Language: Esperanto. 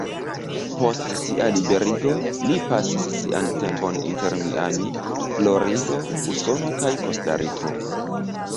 Post sia liberigo, li pasis sian tempon inter Miami, Florido, Usono kaj Kostariko.